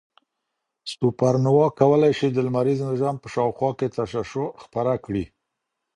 سوپرنووا کولای شي د لمریز نظام په شاوخوا کې تشعشع خپره کړي.